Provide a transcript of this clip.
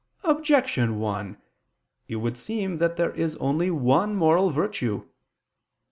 Objection 1: It would seem that there is only one moral virtue.